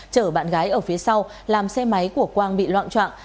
chở bạn gái ở phía sau làm xe máy của quang bị loạn troạng